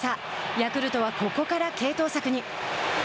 ヤクルトはここから継投策に。